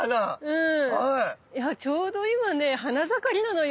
うん。